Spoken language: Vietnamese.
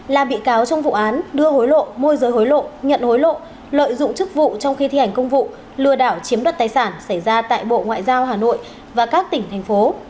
là bị cáo trong vụ án đưa hối lộ môi giới hối lộ nhận hối lộ lợi dụng chức vụ trong khi thi hành công vụ lừa đảo chiếm đoạt tài sản xảy ra tại bộ ngoại giao hà nội và các tỉnh thành phố